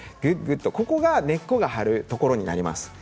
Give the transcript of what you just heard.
ここが根っこが張るところになります。